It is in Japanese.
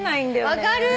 分かる！